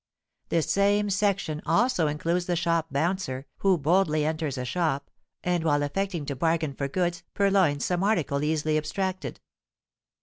This same section also includes the shop bouncer, who boldly enters a shop, and, while affecting to bargain for goods, purloins some article easily abstracted.